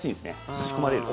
差し込まれる。